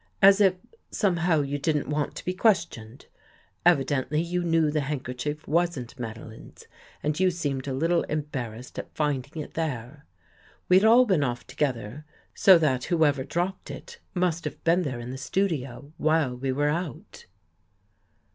As if, somehow, you didn't want to be questioned. Evi dently you knew the handkerchief wasn't Madeline's and you seemed a little embarrassed at finding it there. We had all been off together, so that who ever dropped it must have been there in the studio while we were out."